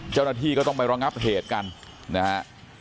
เจ้าหน้าที่ก็ต้องไประงับเหตุกันนะฮะ